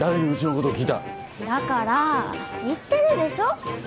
だから言ってるでしょ